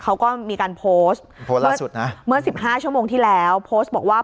เขาก็มีการโพสต์เมื่อ๑๕ชั่วโมงที่แล้วโพสต์บอกว่า